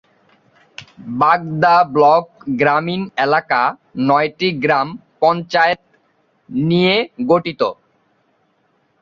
বাগদা ব্লক গ্রামীণ এলাকা নয়টি গ্রাম পঞ্চায়েত নিয়ে গঠিত।